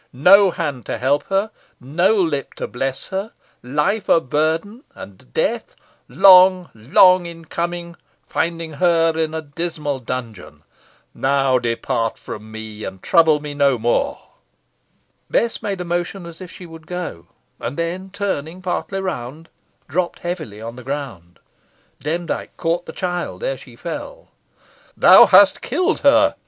No hand to help her no lip to bless her life a burden; and death long, long in coming finding her in a dismal dungeon. Now, depart from me, and trouble me no more." Bess made a motion as if she would go, and then turning, partly round, dropped heavily on the ground. Demdike caught the child ere she fell. "Thou hast killed her!"